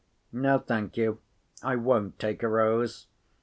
No, thank you. I won't take a rose.